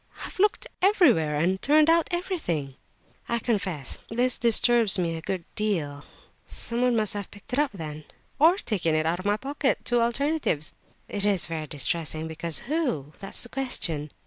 "I've looked everywhere, and turned out everything." "I confess this disturbs me a good deal. Someone must have picked it up, then." "Or taken it out of my pocket—two alternatives." "It is very distressing, because who—? That's the question!"